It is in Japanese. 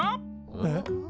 えっ？